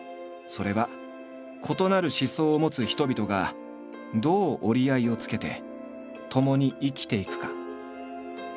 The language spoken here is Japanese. それは異なる思想を持つ人々がどう折り合いをつけてともに生きていくか。